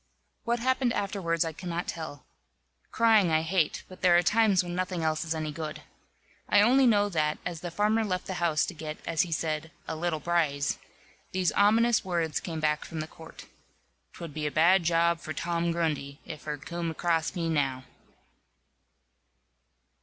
What happened afterwards I cannot tell. Crying I hate, but there are times when nothing else is any good. I only know that, as the farmer left the house to get, as he said, "a little braze," these ominous words came back from the court: "'Twud be a bad job for Tom Grundy, if her coom'd acrass me now."